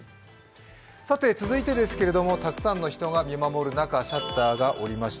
続いてはたくさんの人が見守る中、シャッターがおりました。